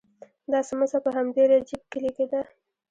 دا څمڅه په همدې رجیب کلي کې ده.